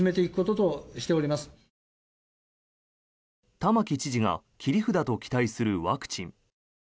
玉城知事が切り札と期待するワクチン。